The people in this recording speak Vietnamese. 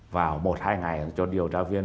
vào một hai ngày cho điều tra viên